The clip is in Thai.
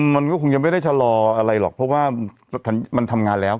มันก็คงยังไม่ได้ชะลออะไรหรอกเพราะว่ามันทำงานแล้ว